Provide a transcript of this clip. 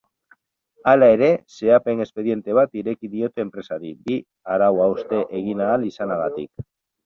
Hala ere, zehapen-espediente bat ireki diote enpresari bi arau-hauste egin ahal izanagatik.